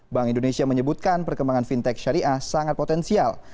bank indonesia menyebutkan perkembangan fintech syariah sangat potensial